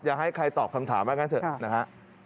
อย่าให้ใครตอบคำถามมากันเถอะ